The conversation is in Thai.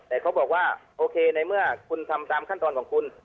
แต่เขาบอกว่าโอเคในเมื่อคุณทำตามขั้นตอนของคุณ